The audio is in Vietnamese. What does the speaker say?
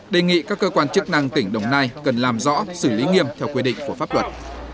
đề nghị các cơ quan chức năng tỉnh đồng nai cần làm rõ xử lý nghiêm theo quy định của pháp luật